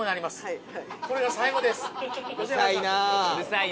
これが最後です。